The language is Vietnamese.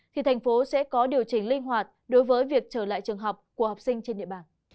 thì thành phố sẽ có điều chỉnh linh hoạt đối với việc trở lại trường học của học sinh trên địa bàn